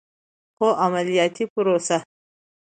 خو عملیاتي پروسه